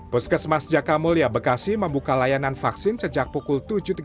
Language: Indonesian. puskesmas jaka mulia bekasi membuka layanan vaksin sejak pukul tujuh tiga puluh